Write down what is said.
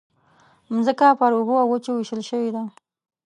مځکه پر اوبو او وچو وېشل شوې ده.